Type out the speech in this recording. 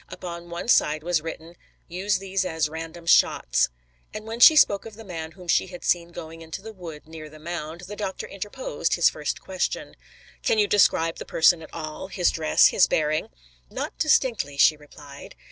Upon one side was written, "Use these as random shots." And when she spoke of the man whom she had seen going into the wood near the mound, the doctor interposed his first question. "Can you describe the person at all? His dress, his bearing?" "Not distinctly," she replied.